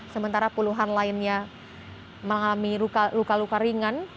sementara puluhan lainnya mengalami luka luka ringan